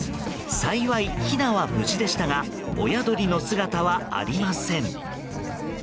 幸い、ひなは無事でしたが親鳥の姿はありません。